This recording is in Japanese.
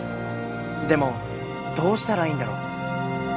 でもどうしたらいいんだろう。